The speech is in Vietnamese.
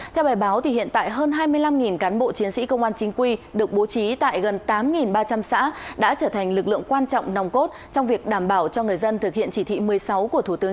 theo bài báo hiện tại hơn hai mươi năm cán bộ chiến sĩ công an chính quy được bố trí tại gần tám ba trăm linh xã đã trở thành lực lượng quan trọng nòng cốt trong việc đảm bảo cho người dân thực hiện chỉ thị một mươi sáu của thủ tướng